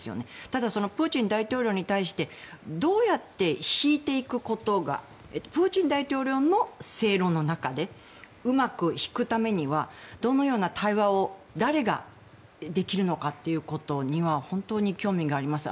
ただプーチン大統領に対してどうやって引いていくことがプーチン大統領の正論の中でうまく引くためにはどのような対話を誰ができるのかということには本当に興味があります。